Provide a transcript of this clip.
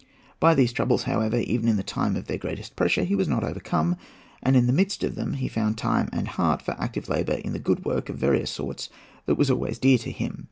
By these troubles, however, even in the time of their greatest pressure, he was not overcome; and in the midst of them he found time and heart for active labour in the good work of various sorts that was always dear to him.